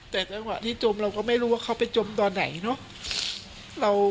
แต่จังหวะที่จมเราก็ไม่รู้ว่าเขาไปจมตอนไหนเนาะ